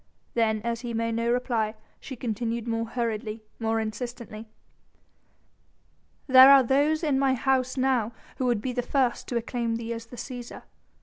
Then as he made no reply she continued more hurriedly, more insistently: "There are those here in my house now who would be the first to acclaim thee as the Cæsar.